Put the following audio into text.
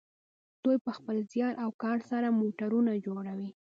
دوی په خپل زیار او کار سره موټرونه جوړوي.